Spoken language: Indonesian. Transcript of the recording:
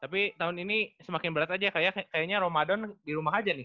tapi tahun ini semakin berat aja kayaknya ramadan di rumah aja nih